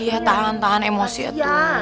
iya tahan tahan emosi ya